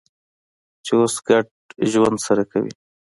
چې اوس ګډ ژوند سره کوي.